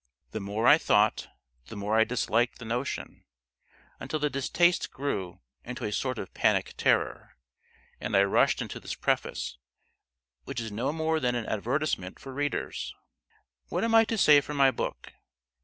The more I thought, the more I disliked the notion; until the distaste grew into a sort of panic terror, and I rushed into this Preface, which is no more than an advertisement for readers. What am I to say for my book?